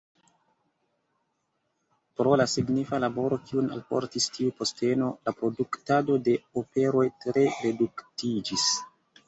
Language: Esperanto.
Pro la signifa laboro, kiun alportis tiu posteno, la produktado de operoj tre reduktiĝis.